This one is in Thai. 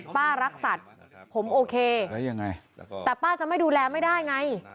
ป่ารักสัตว์ผมโอเคแต่ป่าจะไม่ดูแลไม่ได้ไง